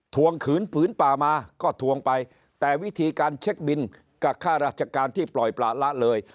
วงขืนผืนป่ามาก็ทวงไปแต่วิธีการเช็คบินกับค่าราชการที่ปล่อยประละเลย